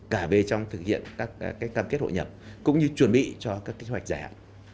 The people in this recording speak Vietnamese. cả về trong thực hiện các cam kết hội nhập cũng như chuẩn bị cho các kế hoạch giải hạn